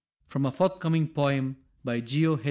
_From a forthcoming poem by Geo.